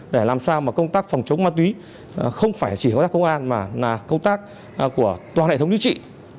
để làm sao mà công tác phòng chống ma túy không phải chỉ công an mà là công tác của toàn hệ thống dưới trị